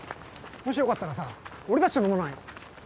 もしよかったらさ俺たちと飲まない？